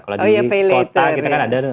kalau di kota kita kan ada tuh